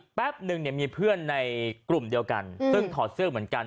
แล้วอีกแป๊บหนึ่งมีเพื่อนในกลุ่มเดียวกันต้องถอดเสื้อเหมือนกัน